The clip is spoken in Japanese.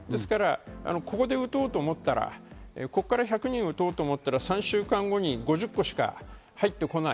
ここで打とうと思ったら、ここから１００人打とうと思ったら３週間後に５０個しか入ってこない。